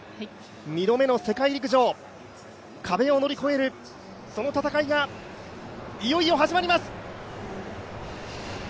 ２度目の世界陸上壁を乗り越える戦いがいよいよ始まります。